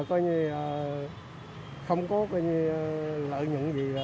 không có lợi nhuận gì